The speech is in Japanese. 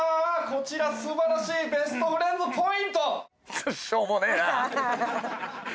こちら素晴らしいベストフレンズポイント！